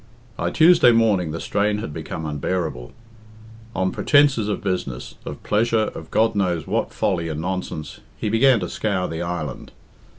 By Tuesday morning the strain had become unbearable. On pretences of business, of pleasure, of God knows what folly and nonsense, he began to scour the island.